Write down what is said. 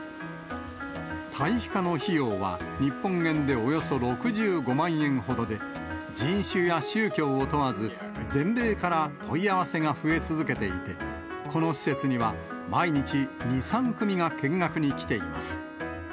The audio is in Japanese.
堆肥化の費用は、日本円でおよそ６５万円ほどで、人種や宗教を問わず、全米から問い合わせが増え続けていて、この施設には、毎日、２、３組が見学に来ています。